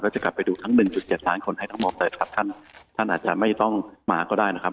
แล้วจะกลับไปดูทั้งหนึ่งจุดเจ็ดล้านคนให้ทั้งหมอแต่ท่านท่านอาจจะไม่ต้องมาก็ได้นะครับ